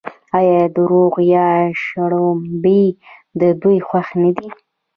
آیا دوغ یا شړومبې د دوی خوښ نه دي؟